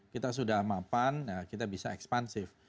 kita sudah mapan kita bisa ekspansif